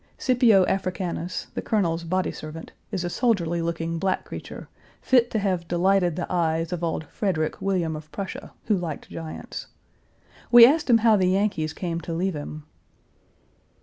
Scipio Africanus, the Colonel's body servant, is a soldierly looking black creature, fit to have delighted the eyes of old Frederick William of Prussia, who liked giants. We asked him how the Yankees came to leave him.